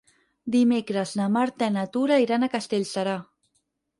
Dimecres na Marta i na Tura iran a Castellserà.